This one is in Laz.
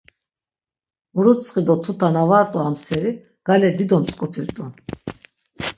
Murutsxi do tuta na va rt̆u am seri, gale dido mtzk̆upi rt̆u.